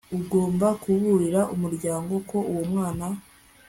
ugomba kuburira umuryango ko uwo mwana